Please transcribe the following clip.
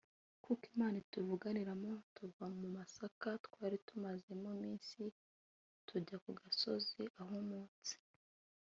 nuko Imana ituvugiramo tuva mu masaka twari tumazemo iminsi tujya ku gasozi ahumutse